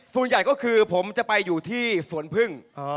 ส่วนใหญ่ก็คือผมจะไปอยู่ที่สวนพึ่ง